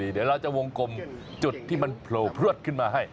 เดี๋ยวเราจะวงกลมจุดที่มันโผล่พลวดขึ้นมาให้